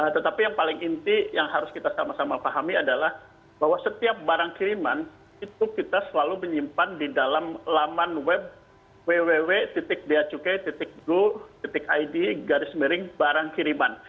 tetapi yang paling inti yang harus kita sama sama pahami adalah bahwa setiap barang kiriman itu kita selalu menyimpan di dalam laman web www bacukai go id garis miring barang kiriman